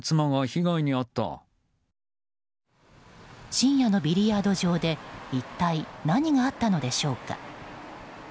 深夜のビリヤード場で一体何があったのでしょうか。